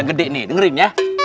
nih wah keren keren